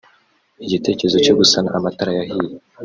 Igitekerezo cyo gusana amatara yahiye